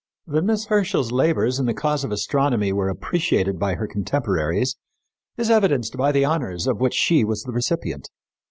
That Miss Herschel's labors in the cause of astronomy were appreciated by her contemporaries is evidenced by the honors of which she was the recipient.